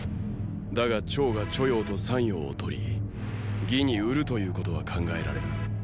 だが趙が著雍と山陽を取り魏に売るということは考えられる。